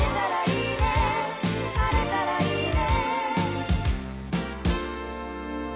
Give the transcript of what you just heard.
「晴れたらいいね」